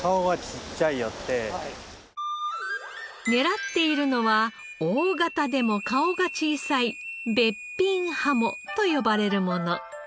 狙っているのは大型でも顔が小さいべっぴんハモと呼ばれるもの。